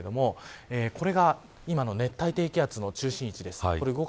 これが今の熱帯低気圧の中心位置です。